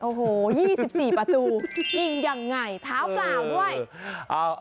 โอ้โฮยี่สิบสี่ประตูหญิงยังไงท้าวกล่าวด้วย